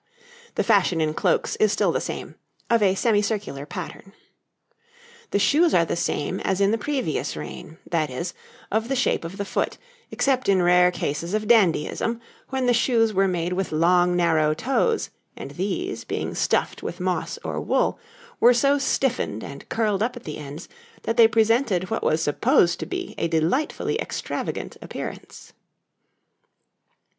The fashion in cloaks is still the same of a semicircular pattern. The shoes are the same as in the previous reign that is, of the shape of the foot, except in rare cases of dandyism, when the shoes were made with long, narrow toes, and these, being stuffed with moss or wool, were so stiffened and curled up at the ends that they presented what was supposed to be a delightfully extravagant appearance.